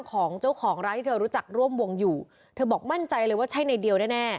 ก็เห็นวัยรุ่นเป็น๑๐คนเลยอ่ะ